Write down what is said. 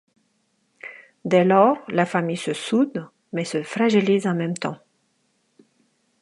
Dès lors, la famille se soude, mais se fragilise en même temps.